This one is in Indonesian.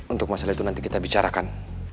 untuk masalah itu nanti kita bicarakan